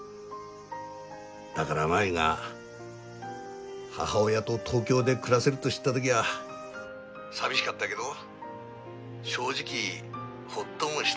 だから真夢が母親と東京で暮らせると知った時は寂しかったけど正直ホッともしたんだ。